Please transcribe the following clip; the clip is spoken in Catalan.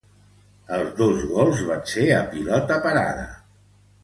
Els dos gols van ser a pilota parada.